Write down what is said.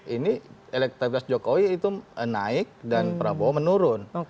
ini elektabilitas jokowi itu naik dan prabowo menurun